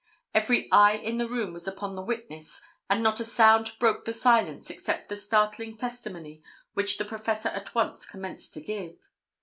Every eye in the room was upon the witness and not a sound broke the silence except the startling testimony which the professor at once commenced to give.